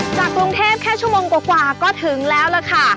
จากกรุงเทพแค่ชั่วโมงกว่าก็ถึงแล้วล่ะค่ะ